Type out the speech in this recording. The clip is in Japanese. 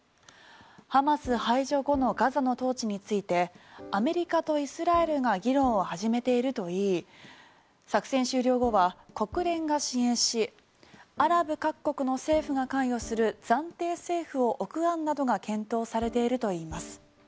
ハマス排除後のガザの統治についてアメリカとイスラエルが議論を始めているといい作戦終了後は国連が支援しアラブ各国の政府が関与する暫定政府を置く案などが検討されているといいます。